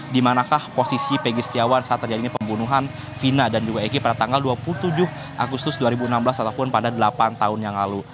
dimanakah posisi pegi setiawan saat terjadinya pembunuhan vina dan juga egy pada tanggal dua puluh tujuh agustus dua ribu enam belas ataupun pada delapan tahun yang lalu